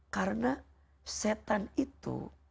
karena setan itu